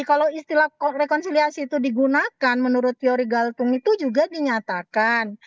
kalau istilah rekonsiliasi itu digunakan menurut teori galtung itu juga dinyatakan